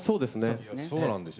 そうなんですよ。